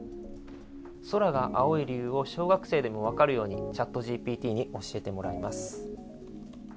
空が青い理由を小学生でも分かるようにＣｈａｔＧＰＴに教えてもらいます。